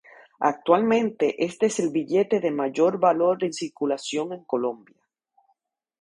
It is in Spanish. Actualmente, este es el billete de mayor valor en circulación en Colombia.